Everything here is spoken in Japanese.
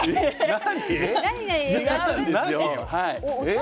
何？